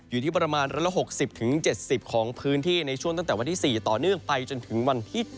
อยู่ที่ประมาณ๑๖๐๗๐ของพื้นที่ในช่วงตั้งแต่วันที่๔ต่อเนื่องไปจนถึงวันที่๗